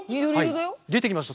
出てきました。